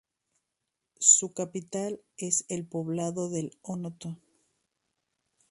Su capital es el poblado del Onoto.